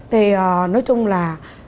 thì nói chung là